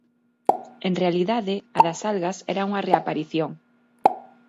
En realidade, a das algas era unha reaparición.